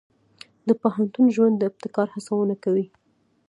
د پوهنتون ژوند د ابتکار هڅونه کوي.